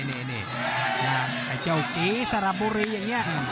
นี่ไอ้เจ้ากีสระบุรีอย่างนี้